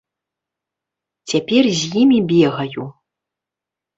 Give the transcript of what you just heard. Цяпер з імі бегаю.